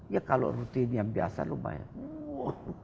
ya kalau rutin yang biasa lo bayar